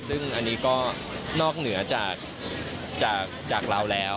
ซึ่งอันนี้ก็นอกเหนือจากเราแล้ว